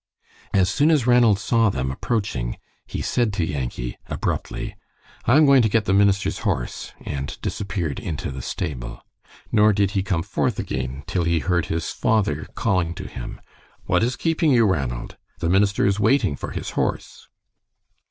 As soon as Ranald saw them approaching he said to Yankee, abruptly, "I am going to get the minister's horse," and disappeared into the stable. Nor did he come forth again till he heard his father calling to him: "What is keeping you, Ranald? The minister is waiting for his horse."